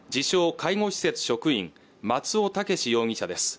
介護施設職員松尾崇志容疑者です